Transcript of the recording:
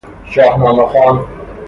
شاهنامه خوان